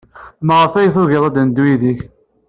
Maɣef ay tugiḍ ad neddu yid-k?